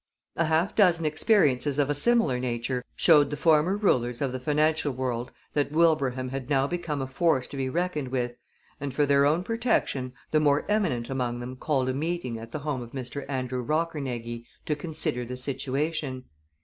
A half dozen experiences of a similar nature showed the former rulers of the financial world that Wilbraham had now become a force to be reckoned with, and for their own protection the more eminent among them called a meeting at the home of Mr. Andrew Rockernegie to consider the situation.